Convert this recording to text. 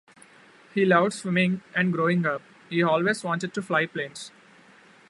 He loved swimming and growing up he always wanted to fly planes.